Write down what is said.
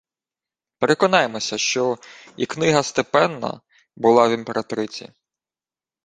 Переконаймося, що і «Книга степенна…» була в імператриці: